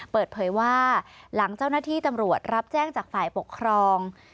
เปิดเผยว่าหลังเจ้าหน้าที่ตำรวจรับแจ้งจากฝ่ายปกครอง